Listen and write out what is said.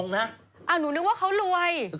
หนูนึกว่าเขารวย